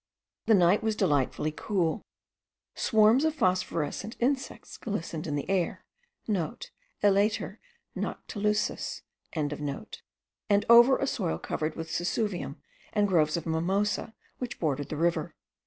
The night was delightfully cool; swarms of phosphorescent insects* glistened in the air (* Elater noctilucus. ), and over a soil covered with sesuvium, and groves of mimosa which bordered the river.